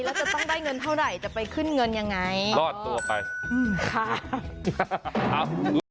แล้วจะต้องได้เงินเท่าไหร่จะไปขึ้นเงินยังไงรอดตัวไปอืมค่ะ